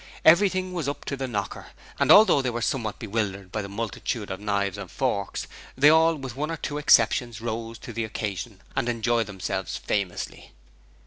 Everything was up to the knocker, and although they were somewhat bewildered by the multitude of knives and forks, they all, with one or two exceptions, rose to the occasion and enjoyed themselves famously.